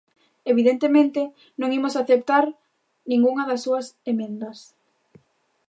Evidentemente, non imos aceptar ningunha das súas emendas.